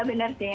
iya bener sih